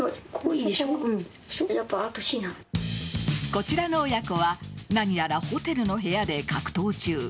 こちらの親子は何やらホテルの部屋で格闘中。